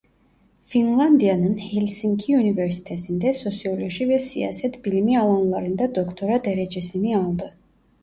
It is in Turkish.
Finlandiya'nın Helsinki Üniversitesi'nde sosyoloji ve siyaset bilimi alanlarında doktora derecesini aldı.